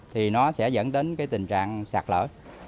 thì nó sẽ dẫn đến tình trạng sạt lở